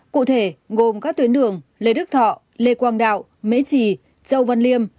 cụ thể gồm các tuyến đường lê đức thọ lê quang đạo mễ trì châu văn liêm